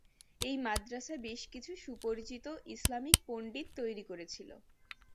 এই মাদ্রাসা বেশ কিছু সুপরিচিত ইসলামিক পণ্ডিত তৈরি করেছিল।